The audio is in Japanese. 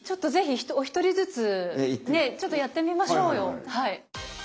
是非お一人ずつねちょっとやってみましょうよはい。